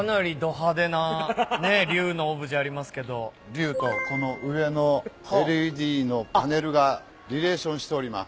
竜とこの上のＬＥＤのパネルがリレーションしております。